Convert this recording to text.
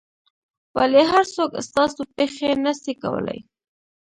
ولي هر څوک ستاسو پېښې نه سي کولای؟